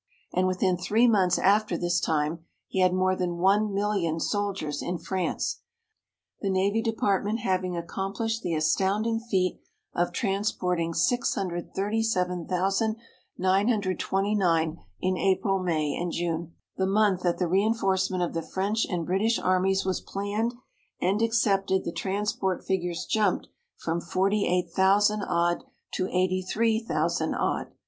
And within three months after this time he had more than 1,000,000 soldiers in France, the Navy Department having accomplished the astounding feat of transporting 637,929 in April, May, and June. The month that the reinforcement of the French and British Armies was planned and accepted the transport figures jumped from forty eight thousand odd to eighty three thousand odd.